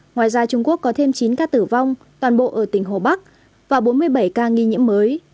ngoài ra trung quốc có thêm chín ca tử vong toàn bộ ở tỉnh hồ bắc và bốn mươi bảy ca nghi nhiễm mới